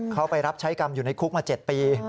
เขาไปรับใช้กรรมอยู่ในคุกมา๗ปี